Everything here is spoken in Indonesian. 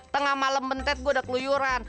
tengah malem bentet gua ada keluyuran